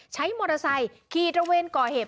ใช้มอเตอร์ไซค์ขี่ตระเวนก่อเหตุ